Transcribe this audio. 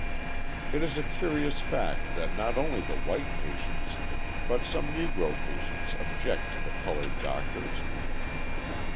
It is a curious fact that not only the white patients but some Negro patients object to the coloured doctors.